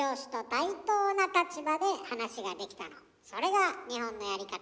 それが日本のやり方。